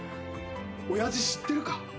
親父知ってるか？